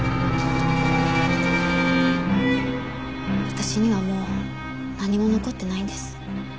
私にはもう何も残ってないんです。